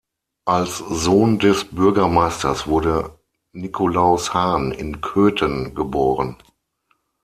Als Sohn des Bürgermeisters wurde Nikolaus Hahn in Köthen geboren.